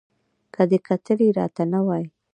که دې کتلي را ته نه وای